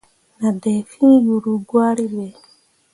Nah dai fîi yuru gwari ɓe.